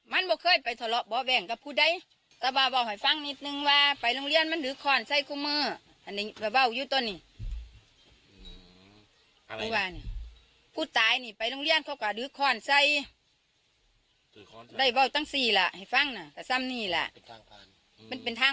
แล้วหลานก็เหตุนี้คือว่าหลานได้มีการมาบอกอะไรกับเราไหมค่ะ